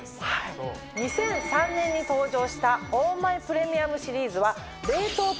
２００３年に登場したオーマイプレミアムシリーズは。